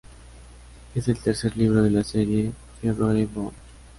Es el tercer libro de la serie de "Theodore Boone".